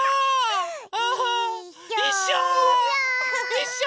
いっしょ！